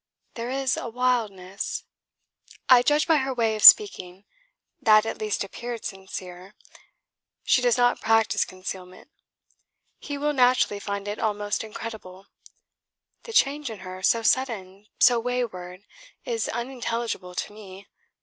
There is a wildness ... I judge by her way of speaking; that at least appeared sincere. She does not practise concealment. He will naturally find it almost incredible. The change in her, so sudden, so wayward, is unintelligible to me.